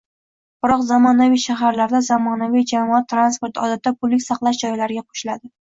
Biroq, zamonaviy shaharlarda, zamonaviy jamoat transporti odatda pullik saqlash joylariga qo'shiladi